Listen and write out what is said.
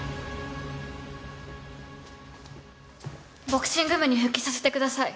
ボクシング部に復帰させてください。